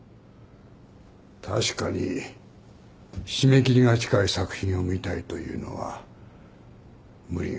確かに締め切りが近い作品を見たいというのは無理があった。